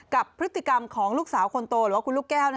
กับพฤติกรรมของลูกสาวคนโตหรือว่าคุณลูกแก้ว